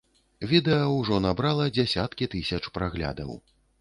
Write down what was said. Відэа ўжо набрала дзясяткі тысяч праглядаў.